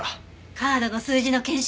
カードの数字の検証